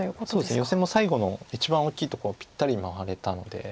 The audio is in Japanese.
ヨセも最後の一番大きいところをぴったり回れたので。